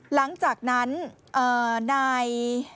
หลังจากนั้นนาย